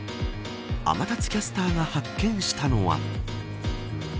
天達キャスターが発見したのは。